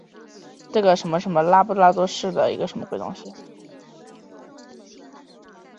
拉波滕施泰因是奥地利下奥地利州茨韦特尔县的一个市镇。